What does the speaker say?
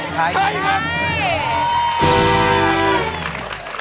ใช้ครับ